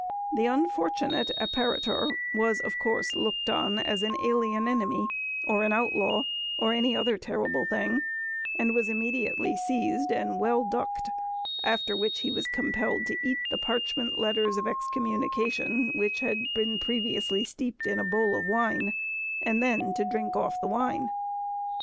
The unfortunate apparitor was of course looked on as an alien enemy, or an outlaw, or any other terrible thing, and was immediately seized and well ducked; after which he was compelled to eat the parchment letters of excommunication, which had been previously steeped in a bowl of wine, and then to drink off the wine.